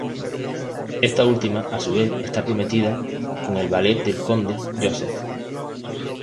Esta última, a su vez, está prometida con el valet del conde, "Josef".